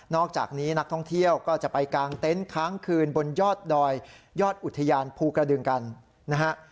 อกจากนี้นักท่องเที่ยวก็จะไปกางเต็นต์ค้างคืนบนยอดดอยยอดอุทยานภูกระดึงกันนะฮะ